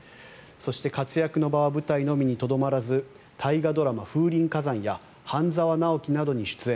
そして、活躍の場は舞台のみにとどまらず大河ドラマ「風林火山」や「半沢直樹」などに出演。